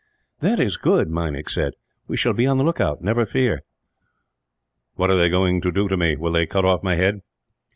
"That is good!" Meinik said. "We shall be on the lookout, never fear." "What are they going to do to me. Will they cut off my head?"